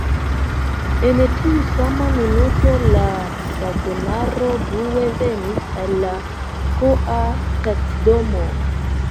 En tiu sama minuto la vagonaro brue venis al la K-a stacidomo.